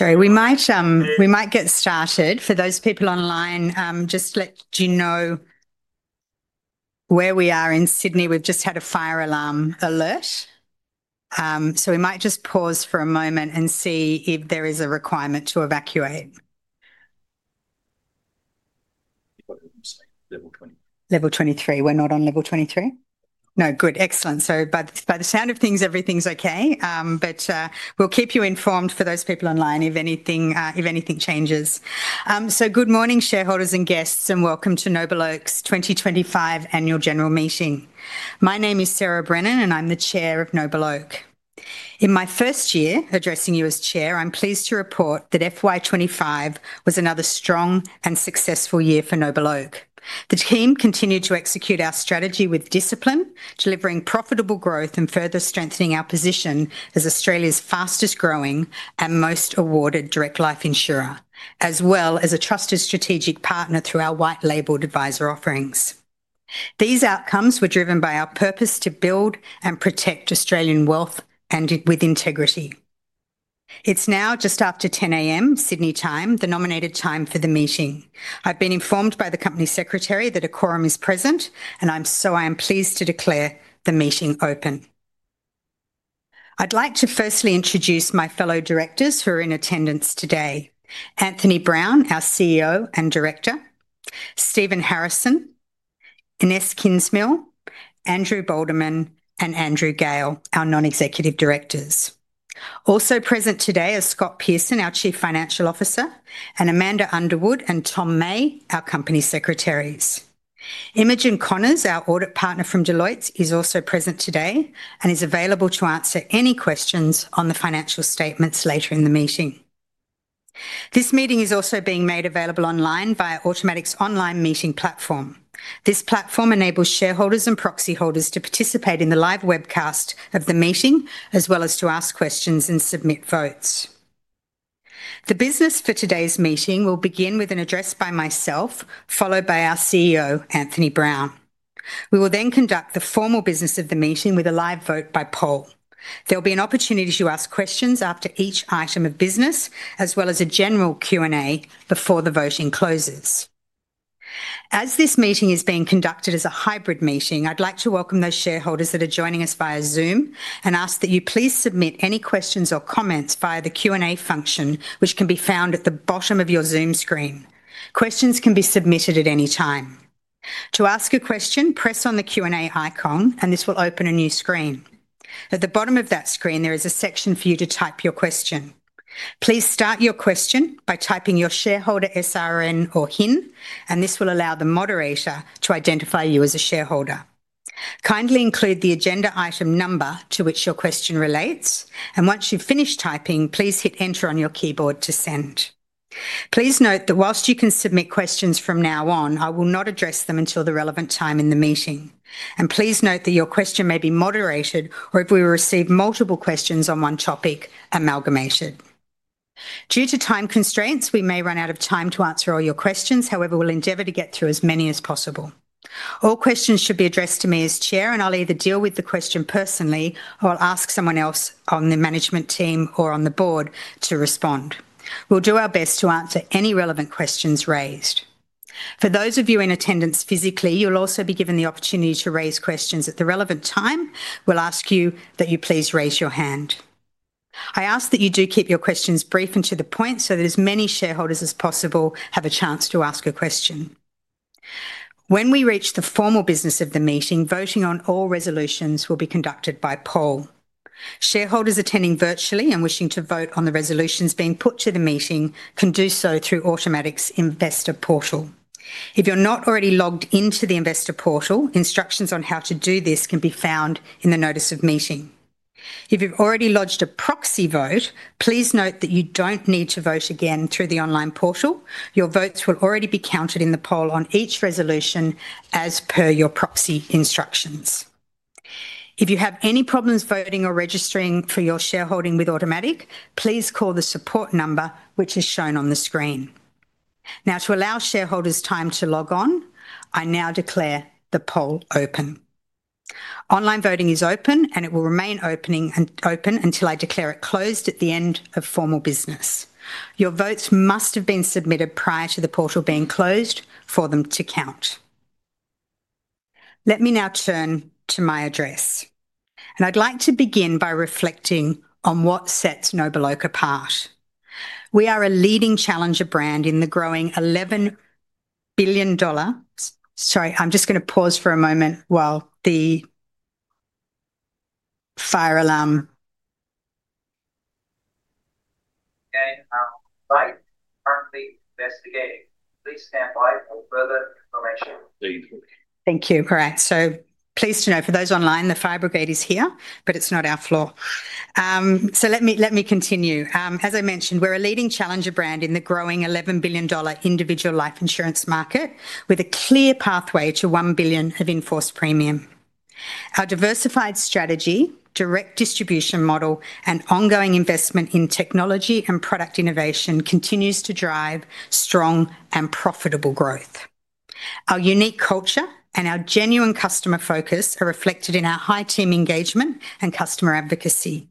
Sorry, we might get started. For those people online, just to let you know where we are in Sydney, we've just had a fire alarm alert. We might just pause for a moment and see if there is a requirement to evacuate. Level 23. Level 23. We're not on Level 23? No, good. Excellent. By the sound of things, everything's okay. We'll keep you informed for those people online if anything changes. Good morning, shareholders and guests, and welcome to NobleOak's 2025 Annual General Meeting. My name is Sarah Brennan, and I'm the Chair of NobleOak. In my first year addressing you as Chair, I'm pleased to report that FY 2025 was another strong and successful year for NobleOak. The team continued to execute our strategy with discipline, delivering profitable growth and further strengthening our position as Australia's fastest-growing and most awarded direct life insurer, as well as a trusted strategic partner through our white-labeled advisor offerings. These outcomes were driven by our purpose to build and protect Australian wealth and with integrity. It's now just after 10:00 A.M. Sydney time, the nominated time for the meeting. I've been informed by the Company Secretary that a quorum is present, and I am pleased to declare the meeting open. I'd like to firstly introduce my fellow directors who are in attendance today: Anthony Brown, our CEO and Director; Stephen Harrison; Inese Kingsmill; Andrew Boldeman; and Andrew Gale, our non-executive directors. Also present today are Scott Pearson, our Chief Financial Officer; Amanda Underwood; and Tom May, our Company Secretaries. Imogen Connors, our audit partner from Deloitte, is also present today and is available to answer any questions on the financial statements later in the meeting. This meeting is also being made available online via Automic's online meeting platform. This platform enables shareholders and proxy holders to participate in the live webcast of the meeting, as well as to ask questions and submit votes. The business for today's meeting will begin with an address by myself, followed by our CEO, Anthony Brown. We will then conduct the formal business of the meeting with a live vote by poll. There'll be an opportunity to ask questions after each item of business, as well as a general Q&A before the voting closes. As this meeting is being conducted as a hybrid meeting, I'd like to welcome those shareholders that are joining us via Zoom and ask that you please submit any questions or comments via the Q&A function, which can be found at the bottom of your Zoom screen. Questions can be submitted at any time. To ask a question, press on the Q&A icon, and this will open a new screen. At the bottom of that screen, there is a section for you to type your question. Please start your question by typing your shareholder SRN or HIN, and this will allow the moderator to identify you as a shareholder. Kindly include the agenda item number to which your question relates, and once you've finished typing, please hit Enter on your keyboard to send. Please note that whilst you can submit questions from now on, I will not address them until the relevant time in the meeting. Please note that your question may be moderated or, if we receive multiple questions on one topic, amalgamated. Due to time constraints, we may run out of time to answer all your questions. However, we'll endeavor to get through as many as possible. All questions should be addressed to me as Chair, and I'll either deal with the question personally or I'll ask someone else on the management team or on the board to respond. We'll do our best to answer any relevant questions raised. For those of you in attendance physically, you'll also be given the opportunity to raise questions at the relevant time. We'll ask you that you please raise your hand. I ask that you do keep your questions brief and to the point so that as many shareholders as possible have a chance to ask a question. When we reach the formal business of the meeting, voting on all resolutions will be conducted by poll. Shareholders attending virtually and wishing to vote on the resolutions being put to the meeting can do so through Automic's Investor Portal. If you're not already logged into the Investor Portal, instructions on how to do this can be found in the Notice of Meeting. If you've already lodged a proxy vote, please note that you don't need to vote again through the online portal. Your votes will already be counted in the poll on each resolution as per your proxy instructions. If you have any problems voting or registering for your shareholding with Automic, please call the support number which is shown on the screen. Now, to allow shareholders time to log on, I now declare the poll open. Online voting is open, and it will remain open until I declare it closed at the end of formal business. Your votes must have been submitted prior to the portal being closed for them to count. Let me now turn to my address, and I'd like to begin by reflecting on what sets NobleOak apart. We are a leading challenger brand in the growing 11 billion dollars. Sorry, I'm just going to pause for a moment while the fire alarm... Okay. Now, Light currently investigating. Please stand by for further information. Thank you. Thank you. All right. Pleased to know for those online, the fire brigade is here, but it's not our floor. Let me continue. As I mentioned, we're a leading challenger brand in the growing 11 billion dollar individual life insurance market with a clear pathway to 1 billion of in-force premium. Our diversified strategy, direct distribution model, and ongoing investment in technology and product innovation continues to drive strong and profitable growth. Our unique culture and our genuine customer focus are reflected in our high team engagement and customer advocacy.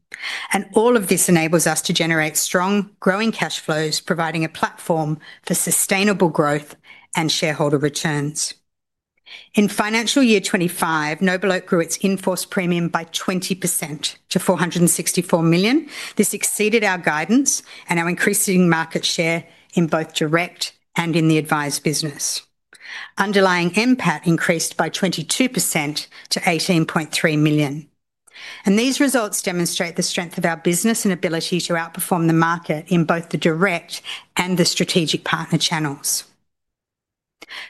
All of this enables us to generate strong, growing cash flows, providing a platform for sustainable growth and shareholder returns. In financial year 2025, NobleOak grew its in-force premium by 20% to 464 million. This exceeded our guidance and our increasing market share in both direct and in the advised business. Underlying NPAT increased by 22% to 18.3 million. These results demonstrate the strength of our business and ability to outperform the market in both the direct and the strategic partner channels.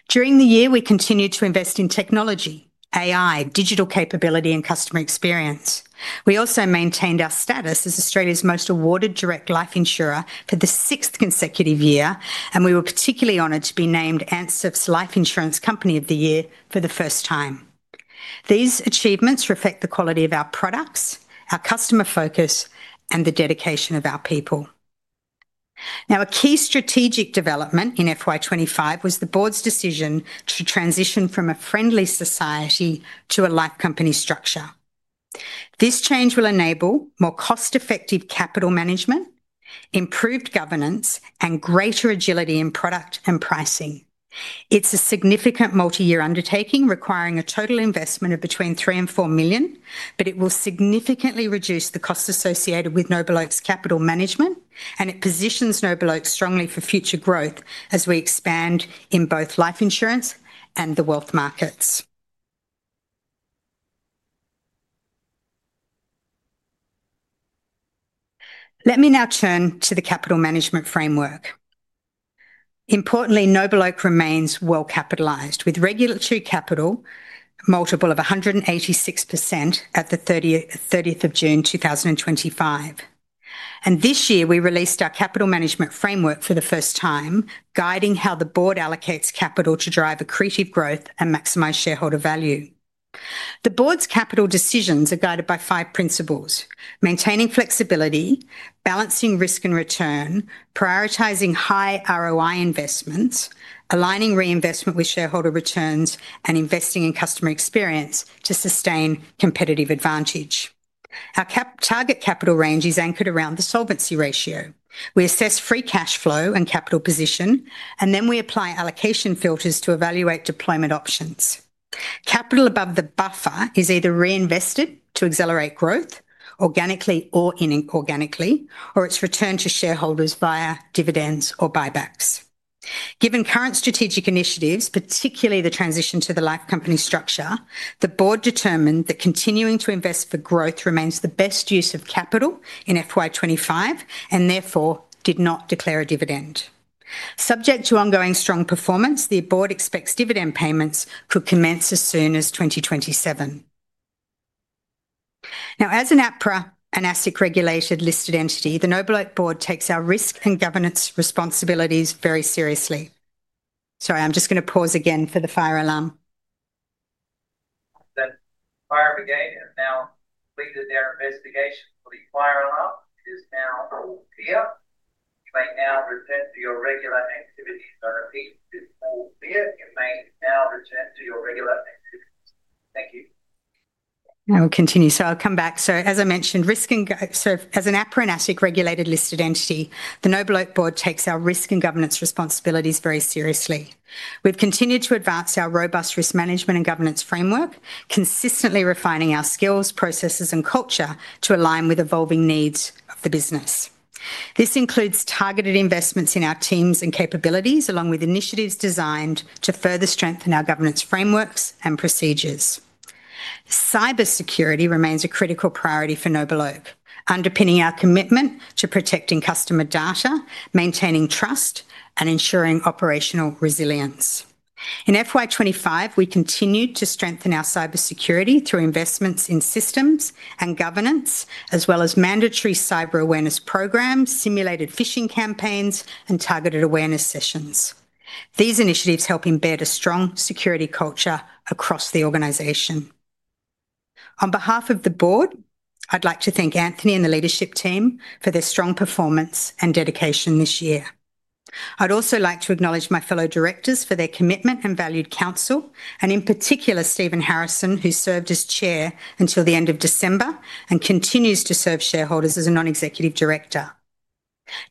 During the year, we continued to invest in technology, AI, digital capability, and customer experience. We also maintained our status as Australia's most awarded direct life insurer for the sixth consecutive year, and we were particularly honored to be named ANZIIF's Life Insurance Company of the Year for the first time. These achievements reflect the quality of our products, our customer focus, and the dedication of our people. Now, a key strategic development in FY 2025 was the Board's decision to transition from a friendly society to a life company structure. This change will enable more cost-effective capital management, improved governance, and greater agility in product and pricing. It's a significant multi-year undertaking requiring a total investment of between 3 million and 4 million, but it will significantly reduce the cost associated with NobleOak's capital management, and it positions NobleOak strongly for future growth as we expand in both life insurance and the wealth markets. Let me now turn to the capital management framework. Importantly, NobleOak remains well capitalized with regulatory capital, multiple of 186% at the 30th of June 2025. This year, we released our capital management framework for the first time, guiding how the board allocates capital to drive accretive growth and maximize shareholder value. The board's capital decisions are guided by five principles: maintaining flexibility, balancing risk and return, prioritizing high ROI investments, aligning reinvestment with shareholder returns, and investing in customer experience to sustain competitive advantage. Our target capital range is anchored around the solvency ratio. We assess free cash flow and capital position, and then we apply allocation filters to evaluate deployment options. Capital above the buffer is either reinvested to accelerate growth organically or inorganically, or it is returned to shareholders via dividends or buybacks. Given current strategic initiatives, particularly the transition to the life company structure, the board determined that continuing to invest for growth remains the best use of capital in FY 2025 and therefore did not declare a dividend. Subject to ongoing strong performance, the board expects dividend payments could commence as soon as 2027. Now, as an APRA and ASIC-regulated listed entity, the NobleOak board takes our risk and governance responsibilities very seriously. Sorry, I am just going to pause again for the fire alarm. That's that fire brigade have now completed their investigation. The fire alarm is now all clear. You may now return to your regular activities. I repeat, it's all clear. You may now return to your regular activities. Thank you. I will continue. I'll come back. As I mentioned, risk and, as an APRA and ASIC-regulated listed entity, the NobleOak board takes our risk and governance responsibilities very seriously. We've continued to advance our robust risk management and governance framework, consistently refining our skills, processes, and culture to align with evolving needs of the business. This includes targeted investments in our teams and capabilities, along with initiatives designed to further strengthen our governance frameworks and procedures. Cybersecurity remains a critical priority for NobleOak, underpinning our commitment to protecting customer data, maintaining trust, and ensuring operational resilience. In FY 2025, we continued to strengthen our cybersecurity through investments in systems and governance, as well as mandatory cyber awareness programs, simulated phishing campaigns, and targeted awareness sessions. These initiatives help embed a strong security culture across the organization. On behalf of the board, I'd like to thank Anthony and the leadership team for their strong performance and dedication this year. I'd also like to acknowledge my fellow directors for their commitment and valued counsel, and in particular, Stephen Harrison, who served as Chair until the end of December and continues to serve shareholders as a non-executive director.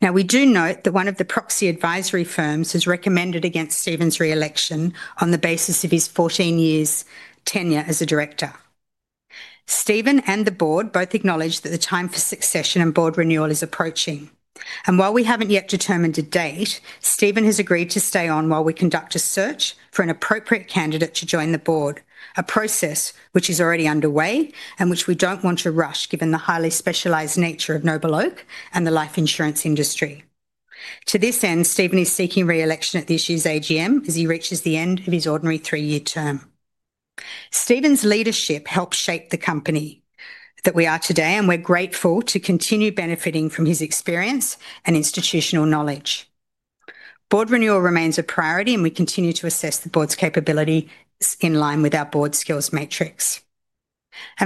Now, we do note that one of the proxy advisory firms has recommended against Stephen's re-election on the basis of his 14 years tenure as a director. Stephen and the board both acknowledge that the time for succession and board renewal is approaching. While we have not yet determined a date, Stephen has agreed to stay on while we conduct a search for an appropriate candidate to join the board, a process which is already underway and which we do not want to rush given the highly specialized nature of NobleOak and the life insurance industry. To this end, Stephen is seeking re-election at this year's AGM as he reaches the end of his ordinary three-year term. Stephen's leadership helped shape the company that we are today, and we are grateful to continue benefiting from his experience and institutional knowledge. Board renewal remains a priority, and we continue to assess the board's capability in line with our board skills matrix.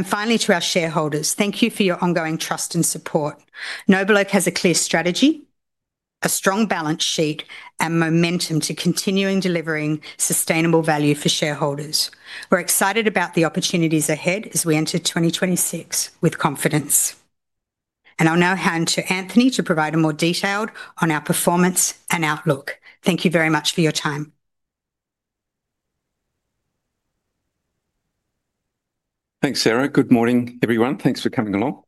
Finally, to our shareholders, thank you for your ongoing trust and support. NobleOak has a clear strategy, a strong balance sheet, and momentum to continue delivering sustainable value for shareholders. We're excited about the opportunities ahead as we enter 2026 with confidence. I'll now hand to Anthony to provide a more detailed on our performance and outlook. Thank you very much for your time. Thanks, Sarah. Good morning, everyone. Thanks for coming along.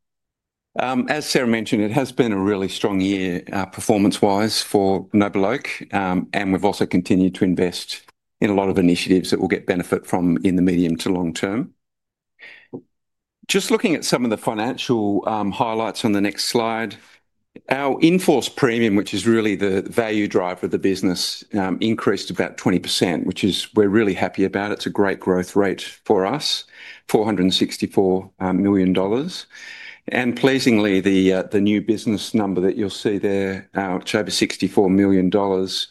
As Sarah mentioned, it has been a really strong year, performance-wise, for NobleOak, and we've also continued to invest in a lot of initiatives that we'll get benefit from in the medium to long term. Just looking at some of the financial highlights on the next slide, our in-force premium, which is really the value driver for the business, increased about 20%, which we are really happy about. It's a great growth rate for us, 464 million dollars. Pleasingly, the new business number that you'll see there, which is over 64 million dollars,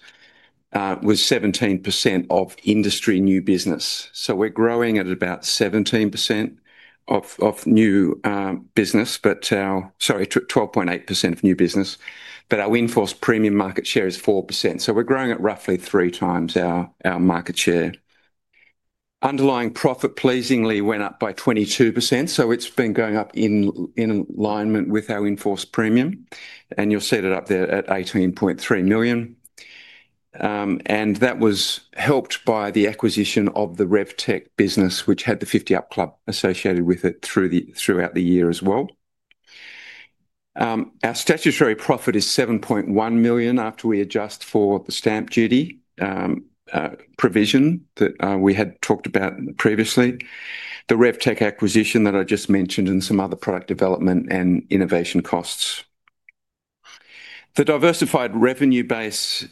was 17% of industry new business. We are growing at about 17% of new business, sorry, 12.8% of new business. Our in-force premium market share is 4%. We are growing at roughly three times our market share. Underlying profit pleasingly went up by 22%. It has been going up in alignment with our in-force premium. You will see it up there at 18.3 million. That was helped by the acquisition of the RevTech business, which had the FiftyUp Club associated with it throughout the year as well. Our statutory profit is 7.1 million after we adjust for the stamp duty provision that we had talked about previously, the RevTech acquisition that I just mentioned, and some other product development and innovation costs. The diversified revenue base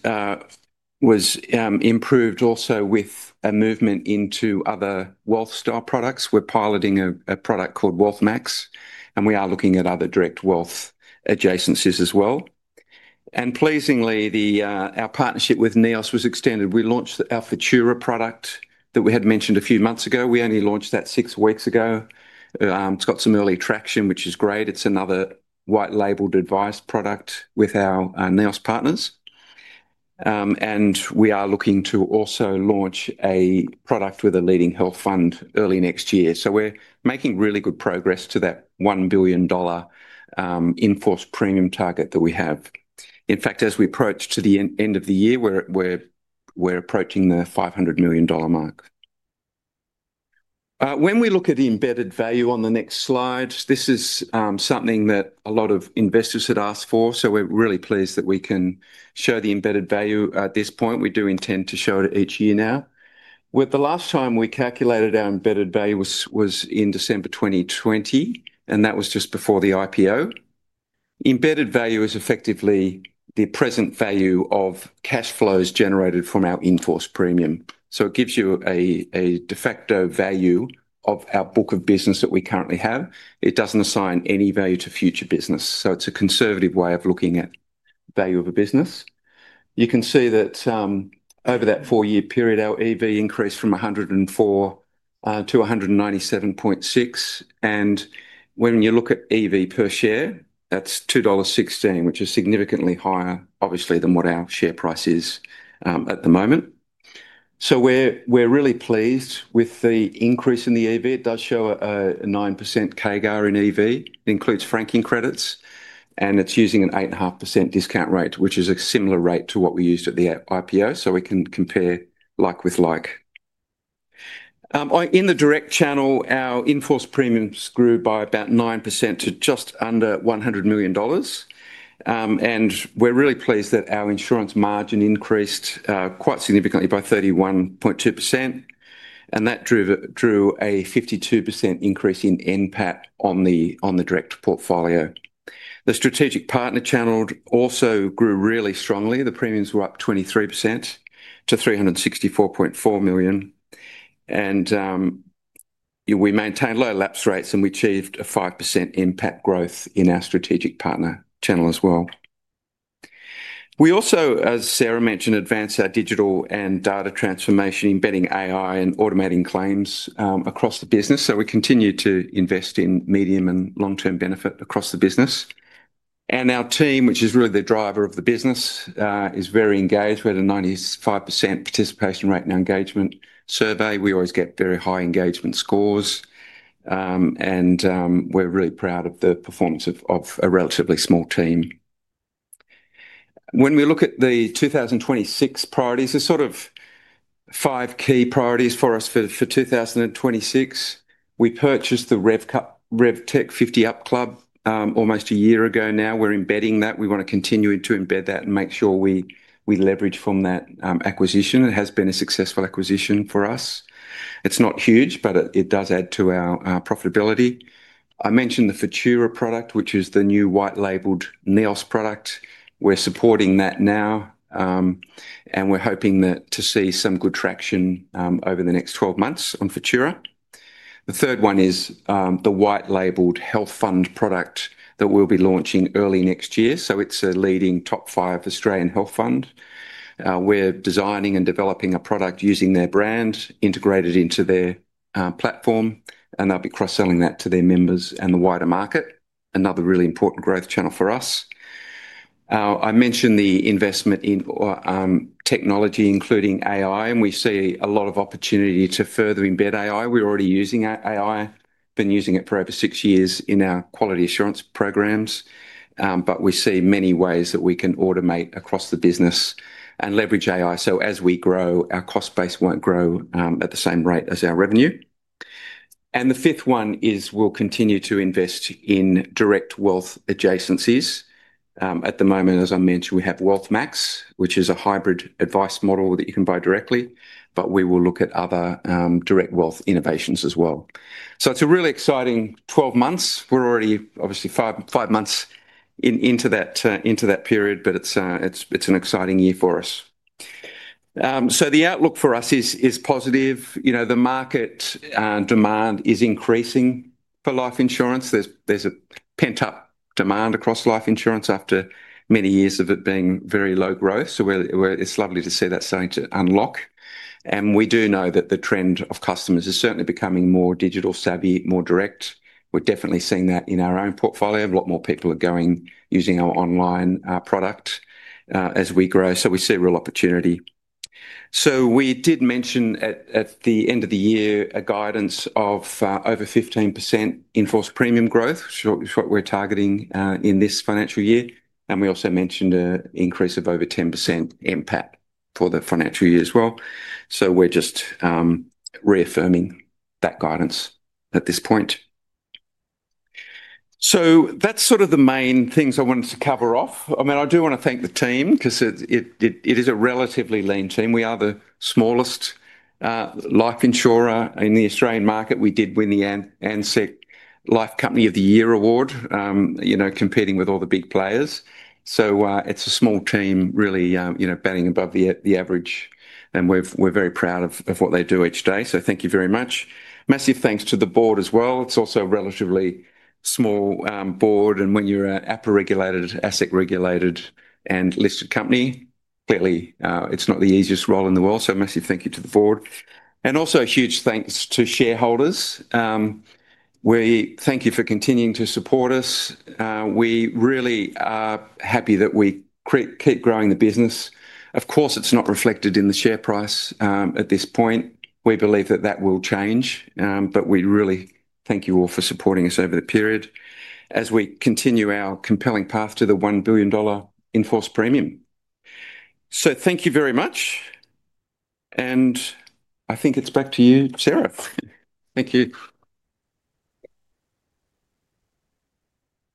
was improved also with a movement into other wealth style products. We are piloting a product called WealthMax, and we are looking at other direct wealth adjacencies as well. Pleasingly, our partnership with NEOS was extended. We launched our Futura product that we had mentioned a few months ago. We only launched that six weeks ago. It has got some early traction, which is great. It's another white-labelled advice product with our NEOS partners. We are looking to also launch a product with a leading health fund early next year. We are making really good progress to that 1 billion dollar in-force premium target that we have. In fact, as we approach the end of the year, we're approaching the 500 million dollar mark. When we look at the embedded value on the next slide, this is something that a lot of investors had asked for. We are really pleased that we can show the embedded value at this point. We do intend to show it each year now. The last time we calculated our embedded value was in December 2020, and that was just before the IPO. Embedded value is effectively the present value of cash flows generated from our in-force premium. It gives you a de facto value of our book of business that we currently have. It does not assign any value to future business. It is a conservative way of looking at the value of a business. You can see that over that four-year period, our EV increased from 104 million to 197.6 million. When you look at EV per share, that is 2.16, which is significantly higher, obviously, than what our share price is at the moment. We are really pleased with the increase in the EV. It does show a 9% CAGR in EV. It includes franking credits, and it is using an 8.5% discount rate, which is a similar rate to what we used at the IPO. We can compare like with like. In the direct channel, our in-force premiums grew by about 9% to just under 100 million dollars. We are really pleased that our insurance margin increased quite significantly by 31.2%. That drove a 52% increase in NPAT on the direct portfolio. The strategic partner channel also grew really strongly. The premiums were up 23% to 364.4 million. We maintained low lapse rates, and we achieved a 5% NPAT growth in our strategic partner channel as well. As Sarah mentioned, we advanced our digital and data transformation, embedding AI and automating claims across the business. We continue to invest in medium and long-term benefit across the business. Our team, which is really the driver of the business, is very engaged. We had a 95% participation rate in our engagement survey. We always get very high engagement scores. We are really proud of the performance of a relatively small team. When we look at the 2026 priorities, there are sort of five key priorities for us for 2026. We purchased the RevTech FiftyUp Club almost a year ago now. We are embedding that. We want to continue to embed that and make sure we leverage from that acquisition. It has been a successful acquisition for us. It is not huge, but it does add to our profitability. I mentioned the Futura product, which is the new white-labelled NEOS product. We are supporting that now, and we are hoping to see some good traction over the next 12 months on Futura. The third one is the white-labelled health fund product that we will be launching early next year. It is a leading top five Australian health fund. We are designing and developing a product using their brand, integrated into their platform, and they will be cross-selling that to their members and the wider market. Another really important growth channel for us. I mentioned the investment in technology, including AI, and we see a lot of opportunity to further embed AI. We're already using AI. We've been using it for over six years in our quality assurance programs. We see many ways that we can automate across the business and leverage AI. As we grow, our cost base won't grow at the same rate as our revenue. The fifth one is we'll continue to invest in direct wealth adjacencies. At the moment, as I mentioned, we have WealthMax, which is a hybrid advice model that you can buy directly, but we will look at other direct wealth innovations as well. It's a really exciting 12 months. We're already, obviously, five months into that period, but it's an exciting year for us. The outlook for us is positive. The market demand is increasing for life insurance. There's a pent-up demand across life insurance after many years of it being very low growth. It's lovely to see that starting to unlock. We do know that the trend of customers is certainly becoming more digital-savvy, more direct. We're definitely seeing that in our own portfolio. A lot more people are going, using our online product as we grow. We see real opportunity. We did mention at the end of the year a guidance of over 15% in-force premium growth, which is what we're targeting in this financial year. We also mentioned an increase of over 10% NPAT for the financial year as well. We're just reaffirming that guidance at this point. That's sort of the main things I wanted to cover off. I mean, I do want to thank the team because it is a relatively lean team. We are the smallest life insurer in the Australian market. We did win the ANZIIF Life Company of the Year award, competing with all the big players. It is a small team, really batting above the average. We are very proud of what they do each day. Thank you very much. Massive thanks to the board as well. It is also a relatively small board. When you are an APRA-regulated, ASIC-regulated, and listed company, clearly, it is not the easiest role in the world. Massive thank you to the board. Also a huge thanks to shareholders. We thank you for continuing to support us. We really are happy that we keep growing the business. Of course, it is not reflected in the share price at this point. We believe that that will change. We really thank you all for supporting us over the period as we continue our compelling path to the 1 billion dollar in-force premium. Thank you very much. I think it is back to you, Sarah. Thank you.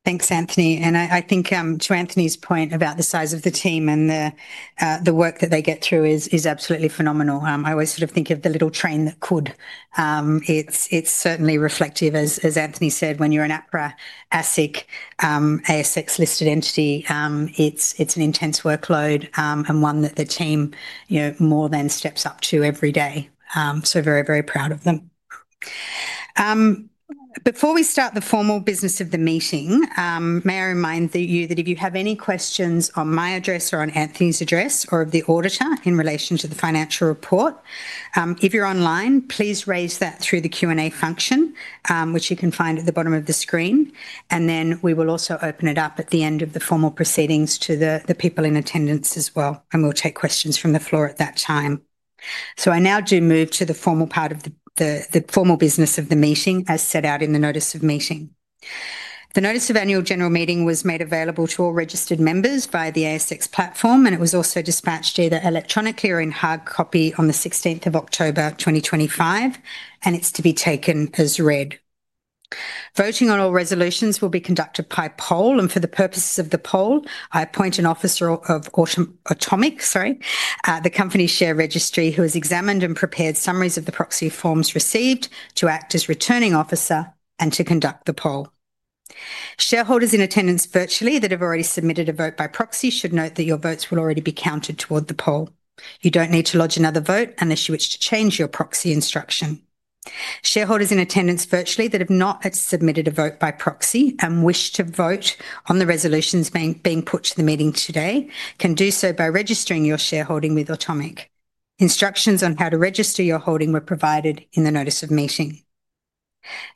Thanks, Anthony. I think to Anthony's point about the size of the team and the work that they get through is absolutely phenomenal. I always sort of think of the little train that could. It's certainly reflective, as Anthony said, when you're an APRA, ASIC, ASX-listed entity, it's an intense workload and one that the team more than steps up to every day. Very, very proud of them. Before we start the formal business of the meeting, may I remind you that if you have any questions on my address or on Anthony's address or of the auditor in relation to the financial report, if you're online, please raise that through the Q&A function, which you can find at the bottom of the screen. We will also open it up at the end of the formal proceedings to the people in attendance as well. We will take questions from the floor at that time. I now move to the formal part of the formal business of the meeting as set out in the notice of meeting. The notice of annual general meeting was made available to all registered members by the ASX platform, and it was also dispatched either electronically or in hard copy on the 16th of October, 2025. It is to be taken as read. Voting on all resolutions will be conducted by poll. For the purposes of the poll, I appoint an officer of Automic, the company share registry, who has examined and prepared summaries of the proxy forms received to act as returning officer and to conduct the poll. Shareholders in attendance virtually that have already submitted a vote by proxy should note that your votes will already be counted toward the poll. You don't need to lodge another vote unless you wish to change your proxy instruction. Shareholders in attendance virtually that have not submitted a vote by proxy and wish to vote on the resolutions being put to the meeting today can do so by registering your shareholding with Automic. Instructions on how to register your holding were provided in the notice of meeting.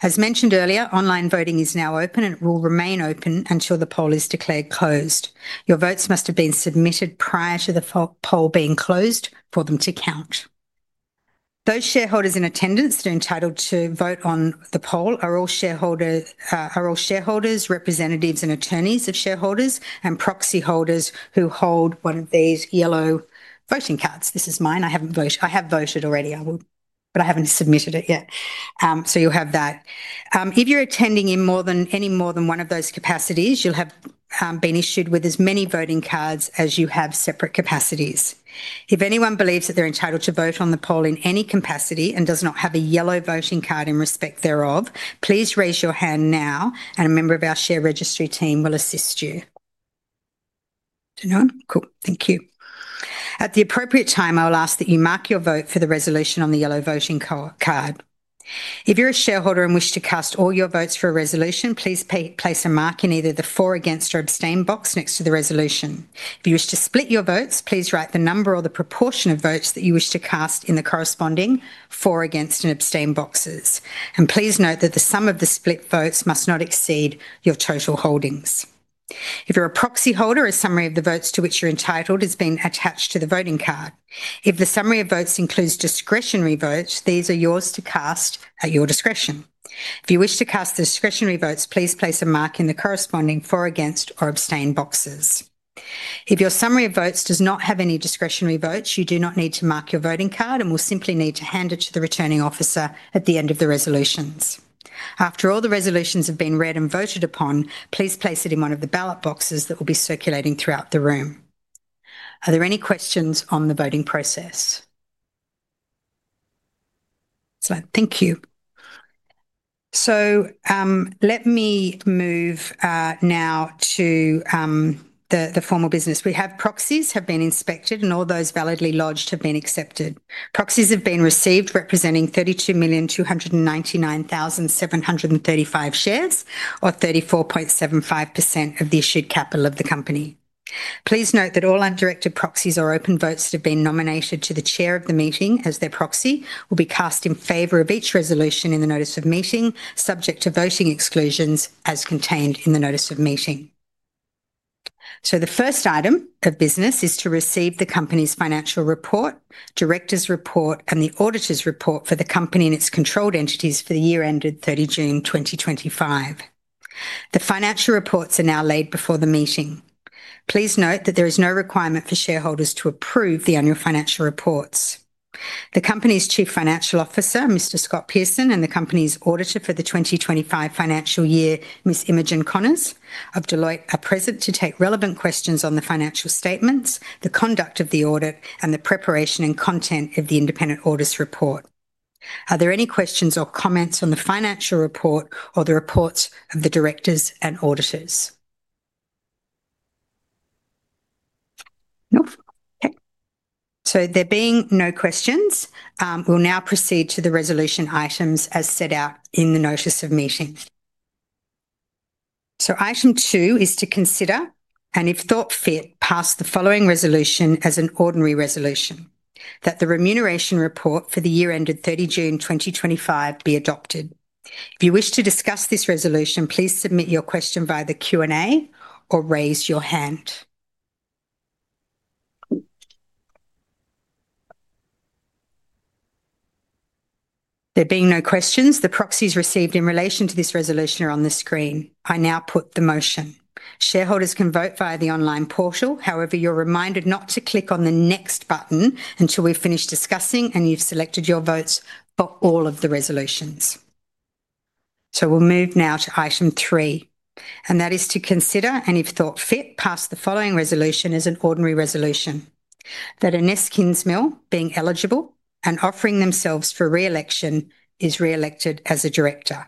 As mentioned earlier, online voting is now open, and it will remain open until the poll is declared closed. Your votes must have been submitted prior to the poll being closed for them to count. Those shareholders in attendance that are entitled to vote on the poll are all shareholders, representatives, and attorneys of shareholders, and proxy holders who hold one of these yellow voting cards. This is mine. I have voted already, but I haven't submitted it yet. You'll have that. If you're attending in any more than one of those capacities, you'll have been issued with as many voting cards as you have separate capacities. If anyone believes that they're entitled to vote on the poll in any capacity and does not have a yellow voting card in respect thereof, please raise your hand now, and a member of our share registry team will assist you. Do you know? Cool. Thank you. At the appropriate time, I will ask that you mark your vote for the resolution on the yellow voting card. If you're a shareholder and wish to cast all your votes for a resolution, please place a mark in either the for, against, or abstain box next to the resolution. If you wish to split your votes, please write the number or the proportion of votes that you wish to cast in the corresponding for, against, and abstain boxes. Please note that the sum of the split votes must not exceed your total holdings. If you're a proxy holder, a summary of the votes to which you're entitled has been attached to the voting card. If the summary of votes includes discretionary votes, these are yours to cast at your discretion. If you wish to cast the discretionary votes, please place a mark in the corresponding for, against, or abstain boxes. If your summary of votes does not have any discretionary votes, you do not need to mark your voting card and will simply need to hand it to the returning officer at the end of the resolutions. After all the resolutions have been read and voted upon, please place it in one of the ballot boxes that will be circulating throughout the room. Are there any questions on the voting process? Thank you. Let me move now to the formal business. We have proxies have been inspected, and all those validly lodged have been accepted. Proxies have been received representing 32,299,735 shares, or 34.75% of the issued capital of the company. Please note that all undirected proxies or open votes that have been nominated to the chair of the meeting as their proxy will be cast in favor of each resolution in the notice of meeting, subject to voting exclusions as contained in the notice of meeting. The first item of business is to receive the company's financial report, director's report, and the auditor's report for the company and its controlled entities for the year ended 30 June 2025. The financial reports are now laid before the meeting. Please note that there is no requirement for shareholders to approve the annual financial reports. The company's Chief Financial Officer, Mr. Scott Pearson, and the company's auditor for the 2025 financial year, Ms. Imogen Connors of Deloitte, are present to take relevant questions on the financial statements, the conduct of the audit, and the preparation and content of the independent audit report. Are there any questions or comments on the financial report or the reports of the directors and auditors? No? Okay. There being no questions, we'll now proceed to the resolution items as set out in the notice of meeting. Item two is to consider, and if thought fit, pass the following resolution as an ordinary resolution: that the remuneration report for the year ended 30 June 2025 be adopted. If you wish to discuss this resolution, please submit your question via the Q&A or raise your hand. There being no questions, the proxies received in relation to this resolution are on the screen. I now put the motion. Shareholders can vote via the online portal. However, you're reminded not to click on the next button until we've finished discussing and you've selected your votes for all of the resolutions. We'll move now to item three. That is to consider, and if thought fit, pass the following resolution as an ordinary resolution: that Inese Kingsmill, being eligible and offering themselves for re-election, is re-elected as a director.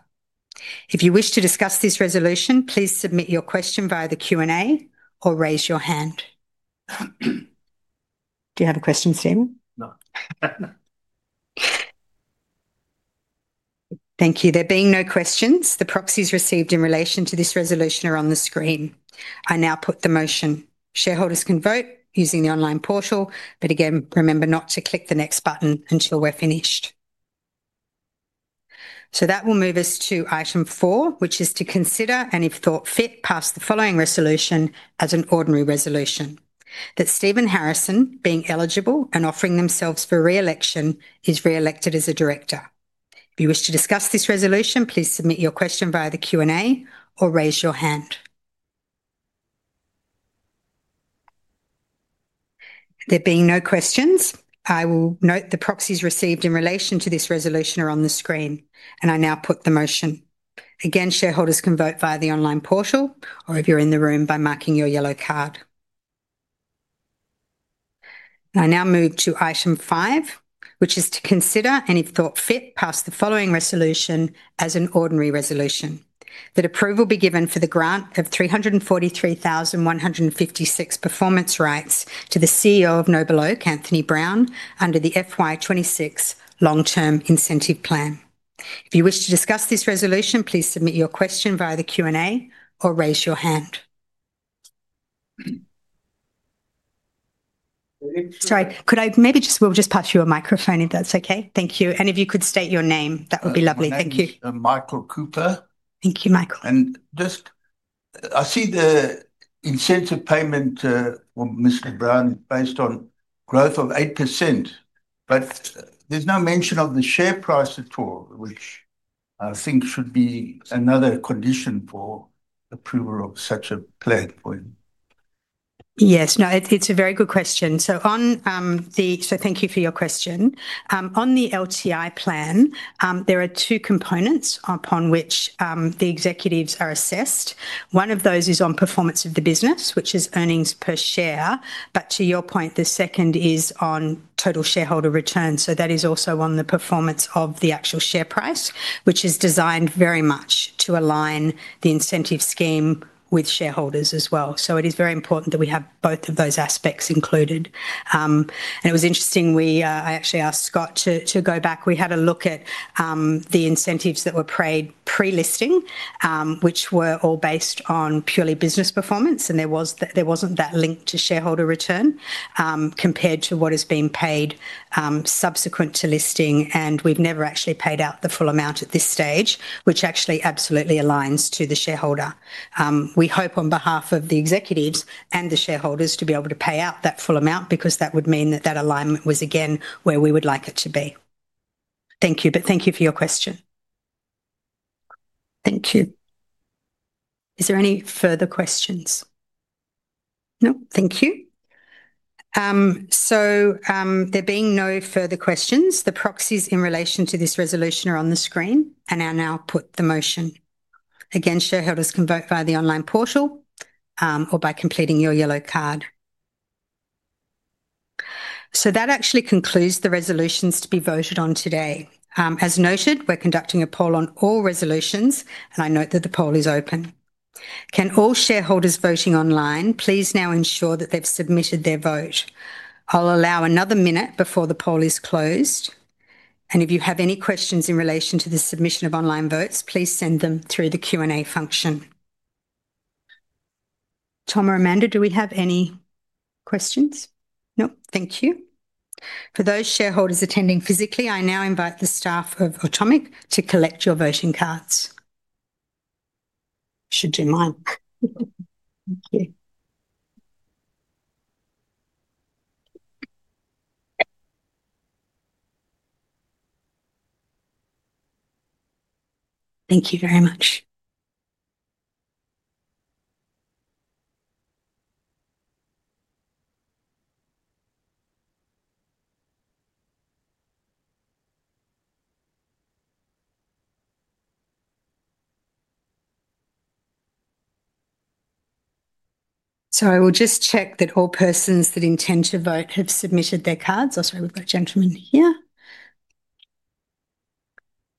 If you wish to discuss this resolution, please submit your question via the Q&A or raise your hand. Do you have a question, Stephen? No. Thank you. There being no questions, the proxies received in relation to this resolution are on the screen. I now put the motion. Shareholders can vote using the online portal, but again, remember not to click the next button until we're finished. That will move us to item four, which is to consider, and if thought fit, pass the following resolution as an ordinary resolution: that Stephen Harrison, being eligible and offering themselves for re-election, is re-elected as a director. If you wish to discuss this resolution, please submit your question via the Q&A or raise your hand. There being no questions, I will note the proxies received in relation to this resolution are on the screen. I now put the motion. Again, shareholders can vote via the online portal, or if you're in the room, by marking your yellow card. I now move to item five, which is to consider, and if thought fit, pass the following resolution as an ordinary resolution: that approval be given for the grant of 343,156 performance rights to the CEO of NobleOak, Anthony Brown, under the FY 2026 Long-Term Incentive Plan. If you wish to discuss this resolution, please submit your question via the Q&A or raise your hand. Sorry. Could I maybe just pass you a microphone if that's okay? Thank you. If you could state your name, that would be lovely. Thank you. My name is Michael Cooper. Thank you, Michael. I see the incentive payment for Mr. Brown is based on growth of 8%, but there's no mention of the share price at all, which I think should be another condition for approval of such a plan. Yes. No, it's a very good question. Thank you for your question. On the LTI plan, there are two components upon which the executives are assessed. One of those is on performance of the business, which is earnings per share. To your point, the second is on total shareholder return. That is also on the performance of the actual share price, which is designed very much to align the incentive scheme with shareholders as well. It is very important that we have both of those aspects included. It was interesting, I actually asked Scott to go back. We had a look at the incentives that were pre-listing, which were all based on purely business performance. There was not that link to shareholder return compared to what has been paid subsequent to listing. We've never actually paid out the full amount at this stage, which actually absolutely aligns to the shareholder. We hope on behalf of the executives and the shareholders to be able to pay out that full amount because that would mean that that alignment was, again, where we would like it to be. Thank you. Thank you for your question. Thank you. Is there any further questions? No? Thank you. There being no further questions, the proxies in relation to this resolution are on the screen and I'll now put the motion. Again, shareholders can vote via the online portal or by completing your yellow card. That actually concludes the resolutions to be voted on today. As noted, we're conducting a poll on all resolutions, and I note that the poll is open. Can all shareholders voting online please now ensure that they've submitted their vote. I'll allow another minute before the poll is closed. If you have any questions in relation to the submission of online votes, please send them through the Q&A function. Tom or Amanda, do we have any questions? No? Thank you. For those shareholders attending physically, I now invite the staff of Automic to collect your voting cards. Should do mine. Thank you. Thank you very much. I will just check that all persons that intend to vote have submitted their cards. Oh, sorry, we've got a gentleman here.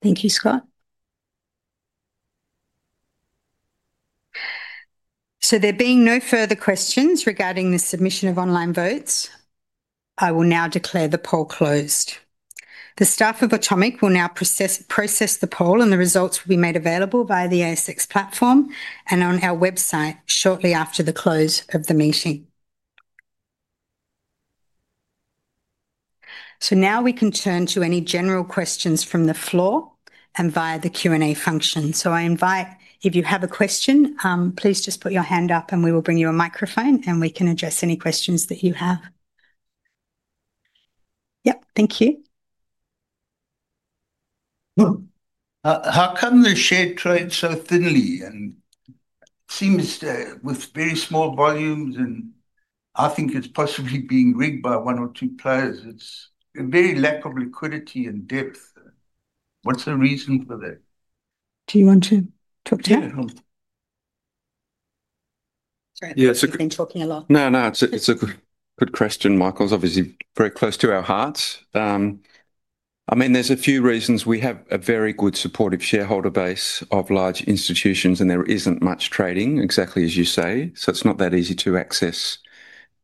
Thank you, Scott. There being no further questions regarding the submission of online votes, I will now declare the poll closed. The staff of Automic will now process the poll, and the results will be made available via the ASX platform and on our website shortly after the close of the meeting. Now we can turn to any general questions from the floor and via the Q&A function. I invite if you have a question, please just put your hand up, and we will bring you a microphone, and we can address any questions that you have. Yep. Thank you. How come the share trades so thinly and seems with very small volumes, and I think it's possibly being rigged by one or two players? It's a very lack of liquidity and depth. What's the reason for that? Do you want to talk to him? Yeah, it's good. You've been talking a lot. No, no, it's a good question, Michael. It's obviously very close to our hearts. I mean, there's a few reasons. We have a very good supportive shareholder base of large institutions, and there isn't much trading, exactly as you say. It's not that easy to access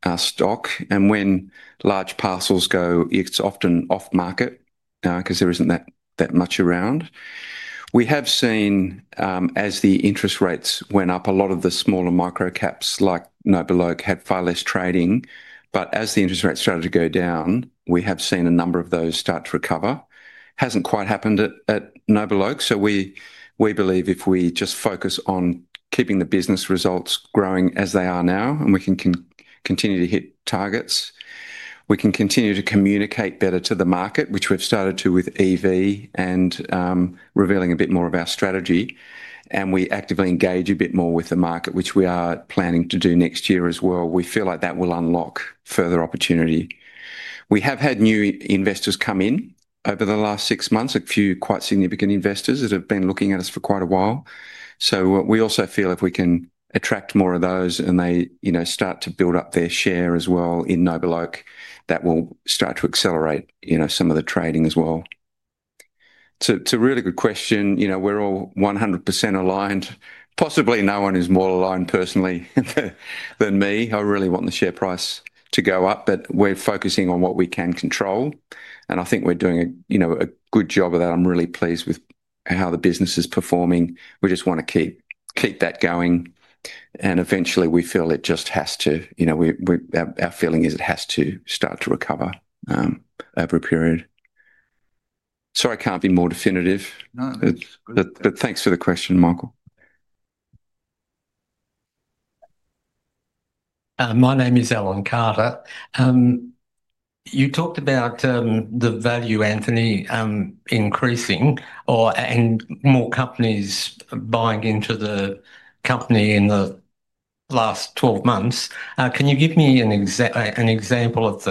our stock. When large parcels go, it's often off-market because there isn't that much around. We have seen, as the interest rates went up, a lot of the smaller micro-caps like NobleOak had far less trading. As the interest rates started to go down, we have seen a number of those start to recover. Hasn't quite happened at NobleOak. We believe if we just focus on keeping the business results growing as they are now, and we can continue to hit targets, we can continue to communicate better to the market, which we've started to with EV and revealing a bit more of our strategy. We actively engage a bit more with the market, which we are planning to do next year as well. We feel like that will unlock further opportunity. We have had new investors come in over the last six months, a few quite significant investors that have been looking at us for quite a while. We also feel if we can attract more of those and they start to build up their share as well in NobleOak, that will start to accelerate some of the trading as well. It's a really good question. We're all 100% aligned. Possibly no one is more aligned personally than me. I really want the share price to go up, but we're focusing on what we can control. I think we're doing a good job of that. I'm really pleased with how the business is performing. We just want to keep that going. Eventually, we feel it just has to, our feeling is it has to start to recover over a period. Sorry, I can't be more definitive. Thanks for the question, Michael. My name is Alan Carter. You talked about the value, Anthony, increasing and more companies buying into the company in the last 12 months. Can you give me an example of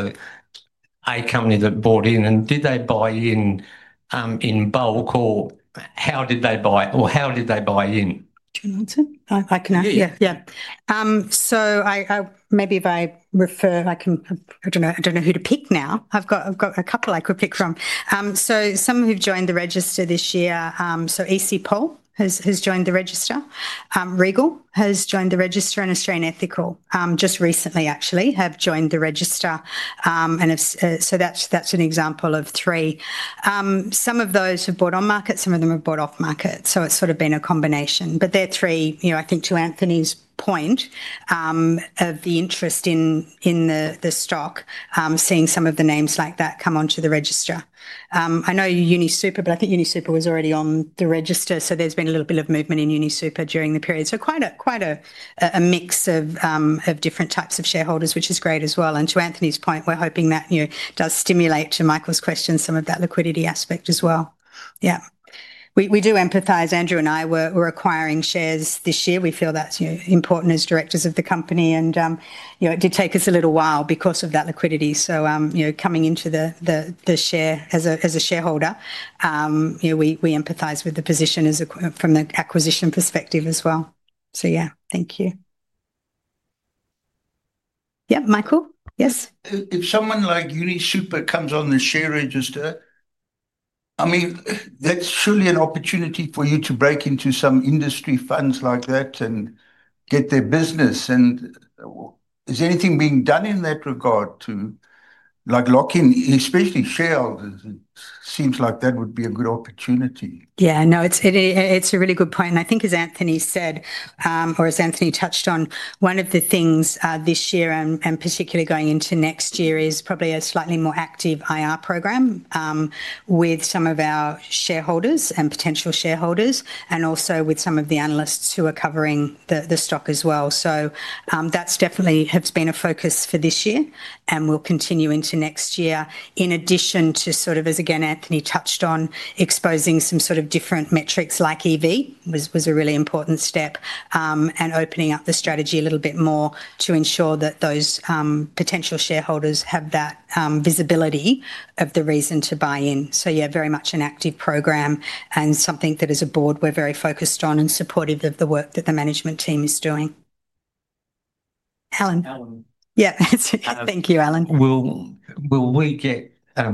a company that bought in, and did they buy in bulk, or how did they buy or how did they buy in? Can I answer? I can answer. Yeah. Yeah. Maybe if I refer, I do not know who to pick now. I have got a couple I could pick from. Some who have joined the register this year, so EC Paul has joined the register. Regal has joined the register, and Australian Ethical just recently, actually, have joined the register. That is an example of three. Some of those have bought on market. Some of them have bought off market. It has sort of been a combination. They are three, I think, to Anthony's point, of the interest in the stock, seeing some of the names like that come onto the register. I know UniSuper, but I think UniSuper was already on the register. There has been a little bit of movement in UniSuper during the period. Quite a mix of different types of shareholders, which is great as well. To Anthony's point, we're hoping that does stimulate, to Michael's question, some of that liquidity aspect as well. Yeah. We do empathize. Andrew and I were acquiring shares this year. We feel that's important as directors of the company. It did take us a little while because of that liquidity. Coming into the share as a shareholder, we empathize with the position from the acquisition perspective as well. Yeah, thank you. Yeah, Michael? Yes? If someone like UniSuper comes on the share register, I mean, that's surely an opportunity for you to break into some industry funds like that and get their business. Is anything being done in that regard to lock in, especially shareholders? It seems like that would be a good opportunity. Yeah, no, it's a really good point. I think, as Anthony said, or as Anthony touched on, one of the things this year, and particularly going into next year, is probably a slightly more active IR program with some of our shareholders and potential shareholders, and also with some of the analysts who are covering the stock as well. That definitely has been a focus for this year and will continue into next year. In addition to, as again, Anthony touched on, exposing some different metrics like EV was a really important step and opening up the strategy a little bit more to ensure that those potential shareholders have that visibility of the reason to buy in. Yeah, very much an active program and something that, as a board, we're very focused on and supportive of the work that the management team is doing. Alan. Alan. Yeah. Thank you, Alan. Will we get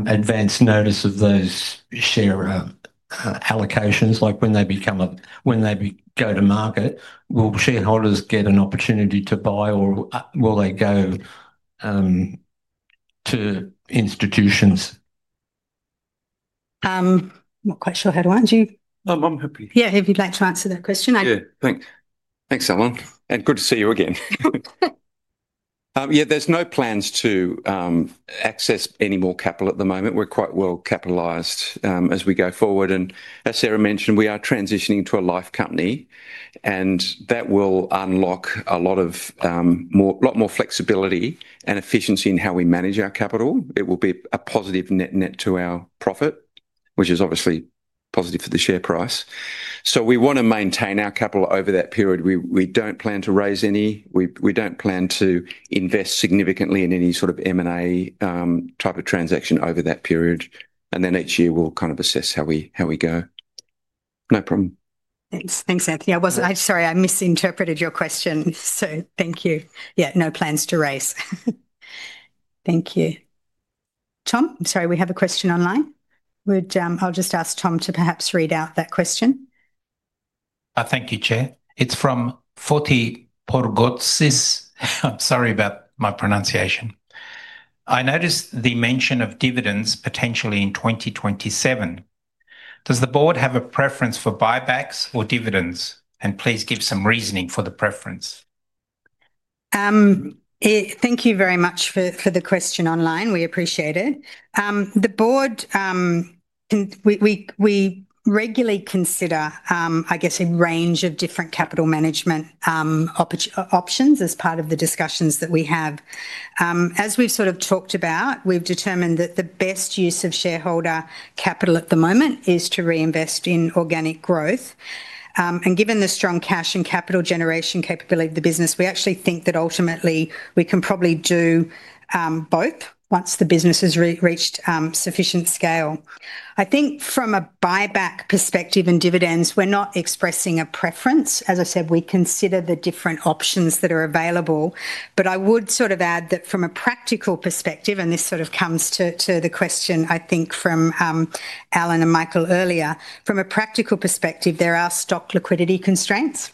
advance notice of those share allocations? Like when they become a, when they go to market, will shareholders get an opportunity to buy, or will they go to institutions? I'm not quite sure how to answer you. I'm happy. Yeah, if you'd like to answer that question. Yeah, thanks. Thanks, Alan. Good to see you again. Yeah, there's no plans to access any more capital at the moment. We're quite well capitalized as we go forward. As Sarah mentioned, we are transitioning to a life company, and that will unlock a lot more flexibility and efficiency in how we manage our capital. It will be a positive net net to our profit, which is obviously positive for the share price. We want to maintain our capital over that period. We don't plan to raise any. We don't plan to invest significantly in any sort of M&A type of transaction over that period. Each year, we'll kind of assess how we go. No problem. Thanks, Anthony. Sorry, I misinterpreted your question. Thank you. Yeah, no plans to raise. Thank you. Tom, sorry, we have a question online. I'll just ask Tom to perhaps read out that question. Thank you, Chair. It's from Foti Pourgoutzidis. I'm sorry about my pronunciation. I noticed the mention of dividends potentially in 2027. Does the board have a preference for buybacks or dividends? Please give some reasoning for the preference. Thank you very much for the question online. We appreciate it. The board, we regularly consider, I guess, a range of different capital management options as part of the discussions that we have. As we have sort of talked about, we have determined that the best use of shareholder capital at the moment is to reinvest in organic growth. Given the strong cash and capital generation capability of the business, we actually think that ultimately we can probably do both once the business has reached sufficient scale. I think from a buyback perspective and dividends, we are not expressing a preference. As I said, we consider the different options that are available. I would sort of add that from a practical perspective, and this sort of comes to the question, I think, from Alan and Michael earlier, from a practical perspective, there are stock liquidity constraints.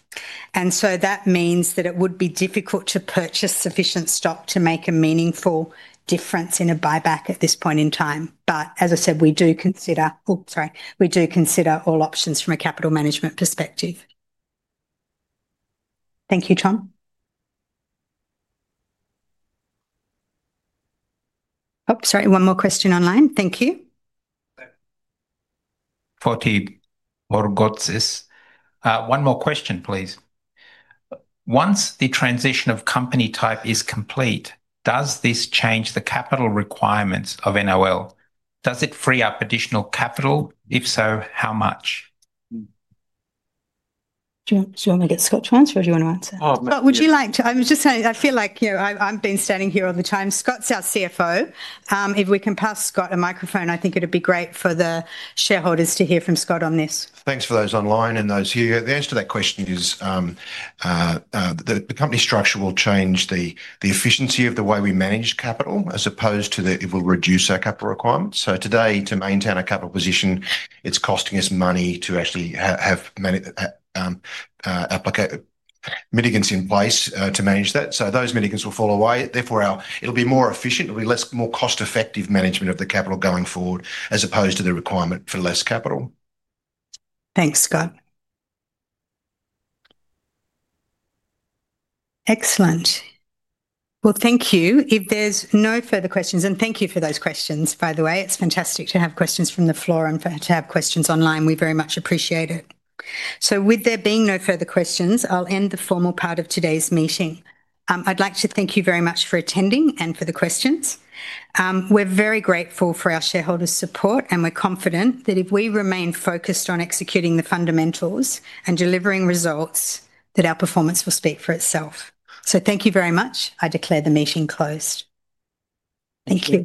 That means that it would be difficult to purchase sufficient stock to make a meaningful difference in a buyback at this point in time. As I said, we do consider, oh, sorry, we do consider all options from a capital management perspective. Thank you, Tom. Oh, sorry, one more question online. Thank you. One more question, please. Once the transition of company type is complete, does this change the capital requirements of NOL? Does it free up additional capital? If so, how much? Do you want to get Scott transferred or do you want to answer? Oh, Michael. Scott, would you like to I was just saying, I feel like I've been standing here all the time. Scott's our CFO. If we can pass Scott a microphone, I think it would be great for the shareholders to hear from Scott on this. Thanks for those online and those here. The answer to that question is that the company structure will change the efficiency of the way we manage capital as opposed to that it will reduce our capital requirements. Today, to maintain our capital position, it's costing us money to actually have mitigants in place to manage that. Those mitigants will fall away. Therefore, it'll be more efficient. It'll be less, more cost-effective management of the capital going forward as opposed to the requirement for less capital. Thanks, Scott. Excellent. Thank you. If there's no further questions, and thank you for those questions, by the way. It's fantastic to have questions from the floor and to have questions online. We very much appreciate it. With there being no further questions, I'll end the formal part of today's meeting. I'd like to thank you very much for attending and for the questions. We're very grateful for our shareholders' support, and we're confident that if we remain focused on executing the fundamentals and delivering results, our performance will speak for itself. Thank you very much. I declare the meeting closed. Thank you.